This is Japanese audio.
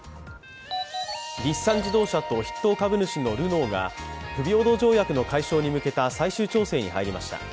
日産自動車と筆頭株主のルノーが不平等条約の解消に向けた最終調整に入りました。